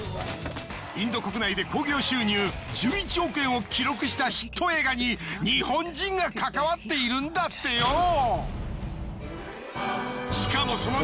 インド国内で興行収入１１億円を記録したヒット映画に日本人が関わっているんだってよ。